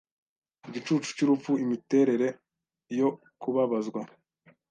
igicucu cyurupfu Imiterere yo kubabazwa